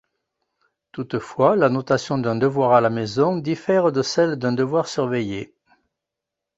Toutefois la notation d'un devoir à la maison diffère de celle d'un devoir surveillé.